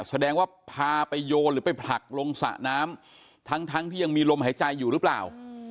แสดงว่าพาไปโยนหรือไปผลักลงสระน้ำทั้งที่ยังมีลมหายใจอยู่หรือเปล่า